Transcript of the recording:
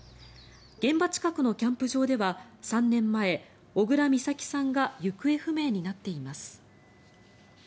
現場近くのキャンプ場では３年前小倉美咲さんが行方不明になっています。